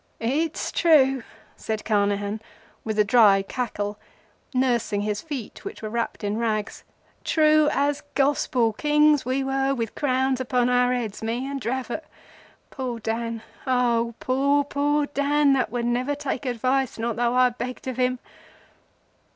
"It's true," said Carnehan, with a dry cackle, nursing his feet which were wrapped in rags. "True as gospel. Kings we were, with crowns upon our heads—me and Dravot—poor Dan—oh, poor, poor Dan, that would never take advice, not though I begged of him!"